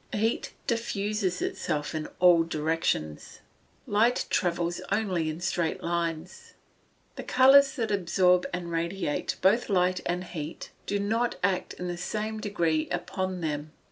Heat diffuses itself in all directions. Light travels only in straight lines. The colours that absorb and radiate both light and heat do not act in the same degree upon them both.